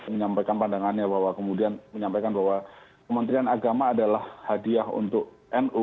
menyampaikan pandangannya bahwa kemudian menyampaikan bahwa kementerian agama adalah hadiah untuk nu